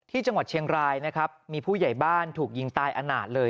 ที่จังหวัดเชียงรายนะครับมีผู้ใหญ่บ้านถูกยิงตายอนาจเลย